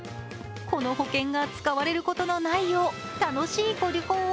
この保険が使われることのないよう楽しいご旅行を。